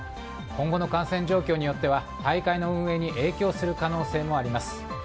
今後の感染状況によっては大会の運営に影響する可能性もあります。